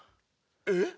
えっ？